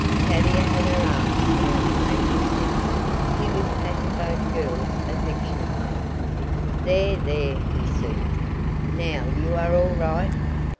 Tavia had her arms around the major's neck he was patting both girls affectionately. "There! there!" he soothed. "Now you are all right.